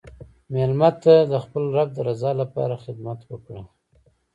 مېلمه ته د خپل رب د رضا لپاره خدمت وکړه.